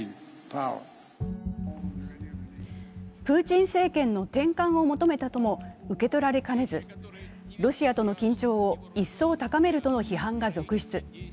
プーチン政権の転換を求めたとも受け取られかねず、ロシアとの緊張を一層高めるとの批判が続出。